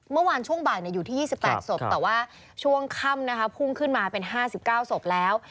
เมื่อวานช่วงบ่ายอยู่ที่๒๘ศพแต่ว่าช่วงค่ำนะคะพุ่งขึ้นมาเป็น๕๙ศพแล้ว